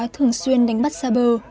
thường xuyên đánh bắt xa bờ